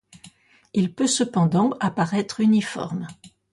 Il peut cependant apparaître uniforme.